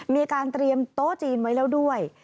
มีการเตรียมโต๊ะจีนไว้แล้วด้วย